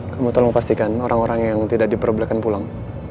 kamu tolong pastikan orang orang yang tidak diperbolehkan pulang